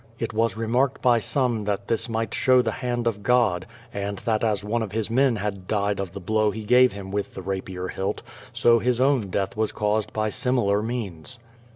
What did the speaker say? It was remarked by some that this might show the hand of God, and that as one of his men had died of the blow he gave him with the rapier hilt, so his own death was caused by similar means.